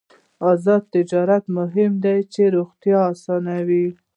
آزاد تجارت مهم دی ځکه چې روغتیا اسانوي.